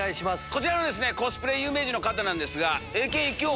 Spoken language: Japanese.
こちらのコスプレ有名人の方ですが。